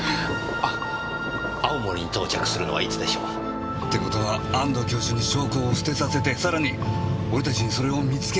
あっ青森に到着するのはいつでしょう？って事は安藤教授に証拠を捨てさせてさらに俺たちにそれを見つけさせたって事ですか。